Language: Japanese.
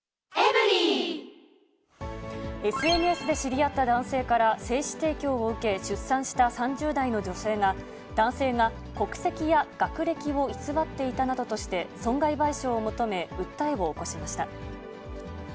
ＳＮＳで知り合った男性から精子提供を受け、出産した３０代の女性が、男性が国籍や学歴を偽っていたなどとして、損害賠償を求め訴えを起こしました。